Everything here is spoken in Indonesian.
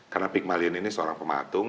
karena pygmalion ini seorang pematung